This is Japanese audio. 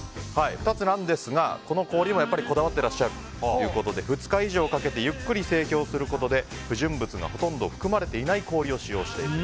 ２つなんですが、この氷もこだわっていらっしゃるということで、２日以上かけてゆっくり製氷することで不純物が含まれていない氷を使用している。